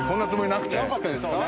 なかったですね？